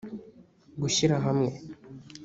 gushyirahamwe